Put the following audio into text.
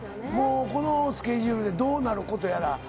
このスケジュールでどうなることやら。